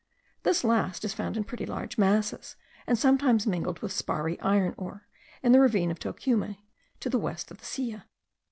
This last is found in pretty large masses, and sometimes mingled with sparry iron ore, in the ravine of Tocume, to the west of the Silla.